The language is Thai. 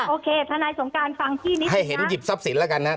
โอเคทนายสงการฟังที่นิดให้เห็นหยิบทรัพย์สินแล้วกันฮะ